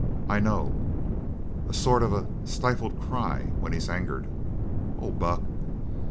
"I know a sort of a stifled cry when he's angered! Oh, Buck."